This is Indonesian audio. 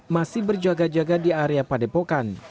masih berjaga jaga di area padepokan